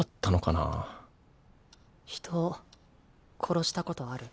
人を殺したことある？